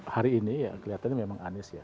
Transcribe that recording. hari ini ya kelihatannya memang anies ya